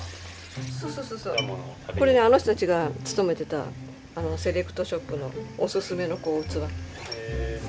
そうそうそうこれねあの人たちが勤めてたセレクトショップのオススメの器。